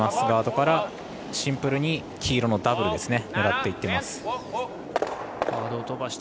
ガードからシンプルに黄色のダブルを狙ってます。